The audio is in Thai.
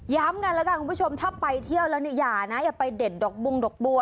กันแล้วกันคุณผู้ชมถ้าไปเที่ยวแล้วเนี่ยอย่านะอย่าไปเด่นดอกบุงดอกบัว